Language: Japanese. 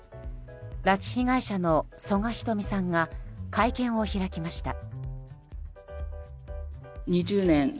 拉致被害者の曽我ひとみさんが会見を開きました。